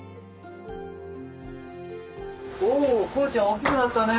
おこうちゃん大きくなったね。